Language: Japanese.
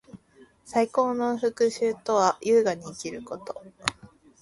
最高の復讐とは，優雅に生きること。